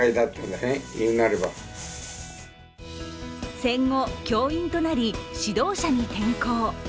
戦後、教員となり指導者に転向。